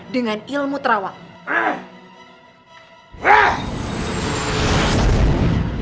dengan ilmu terawakmu